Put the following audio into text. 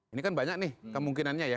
ini kan banyak nih kemungkinannya ya